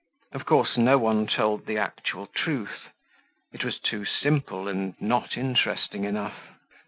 Of course, no one told the actual truth. It was too simple and not interesting enough.